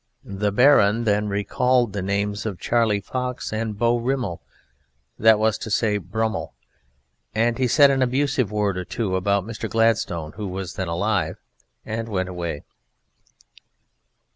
The baron then recalled the names of Charlie Fox and Beau Rimmel, that was to say, Brummel. He said an abusive word or two about Mr. Gladstone, who was then alive, and went away.